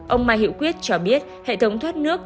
ông mai hiệu quyết cho biết hệ thống thoát nước